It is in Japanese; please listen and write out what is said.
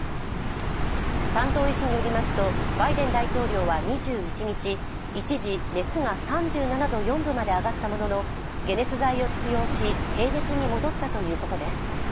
担当医師によりますと、バイデン大統領は２１日、一時、熱が３７度４分まで上がったものの解熱剤を服用し、平熱に戻ったということです。